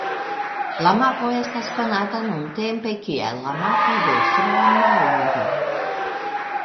La mapo estas konata nuntempe kiel la "Mapo de Fra Mauro".